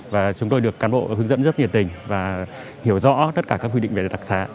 và chúng tôi được cán bộ hướng dẫn rất nhiệt tình và hiểu rõ tất cả các quyết định về đặc sá